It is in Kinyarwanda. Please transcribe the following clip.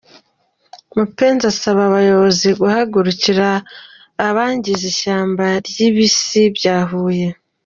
Mupenzi asaba abayobozi guhagurukira abangiza Ishyamba ry’Ibisi bya Huye.